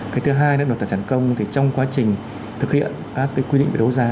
cái thứ hai là luật tài sản công thì trong quá trình thực hiện các cái quy định đấu giá